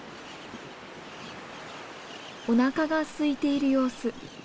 おなかがすいている様子。